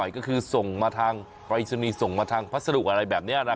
ก็คือไปจุดหนีส่งมาทางภัศจุหรือแบบนี้นะครับ